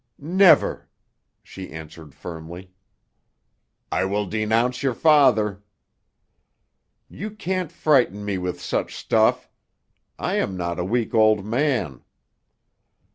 "Never!" she answered firmly. "I will denounce your father!" "You can't frighten me with such stuff. I am not a weak old man!"